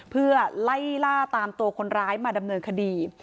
เพื่อไล่ล่าตามตัวคนร้ายมาดำเนินคดี